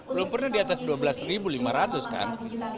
belum pernah di atas dua belas lima ratus kan